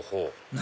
何？